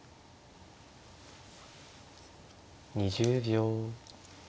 ２０秒。